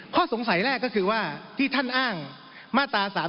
ข้อสงสัยแรกก็คือว่าที่ท่านอ้างมาตรา๓๓